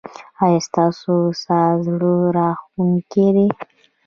ایا ستاسو ساز زړه راښکونکی دی؟